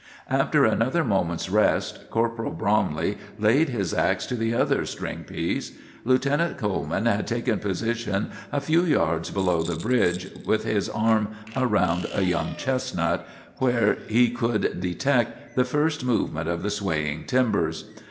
After another moment's rest, Corporal Bromley laid his ax to the other string piece. Lieutenant Coleman had taken position a few yards below the bridge, with his arm around a young chestnut, where he could detect the first movement of the swaying timbers.